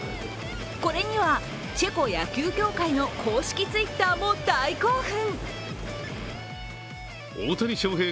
これにはチェコ野球協会の公式Ｔｗｉｔｔｅｒも大興奮。